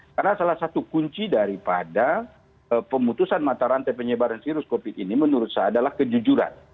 karena salah satu kunci daripada pemutusan mata rantai penyebaran virus covid sembilan belas ini menurut saya adalah kejujuran